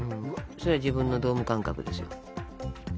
それは自分のドーム感覚ですよ。